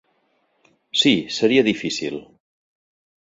Sí, seria difícil.